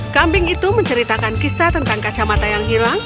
kambing itu menceritakan kisah tentang kacamata yang hilang